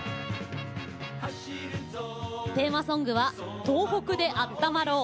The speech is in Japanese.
テーマソングは「とうほくであったまろう」。